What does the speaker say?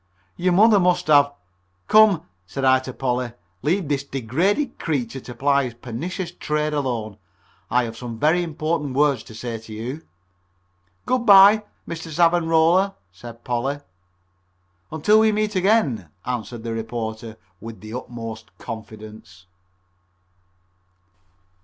"Your mother must have " "Come," said I to Polly, "leave this degraded creature to ply his pernicious trade alone. I have some very important words to say to you." "Good by, Mr. Savanrola," said Polly. "Until we meet again," answered the reporter, with the utmost confidence.